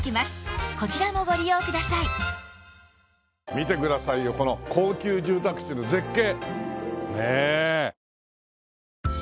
見てくださいよこの高級住宅地の絶景！